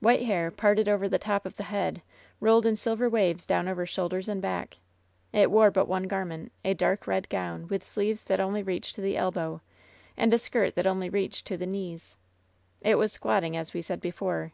White hair, parted over the top of the head, rolled in silver waves down over shoulders and back. It wore but one garment, a dark red gown, with sleeves that only reached to the elbow, and a skirt that only reached to the knees. It was squatting, as we said before.